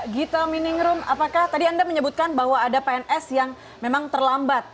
gita minningrum apakah tadi anda menyebutkan bahwa ada pns yang memang terlambat